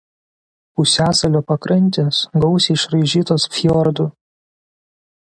Pusiasalio pakrantės gausiai išraižytos fjordų.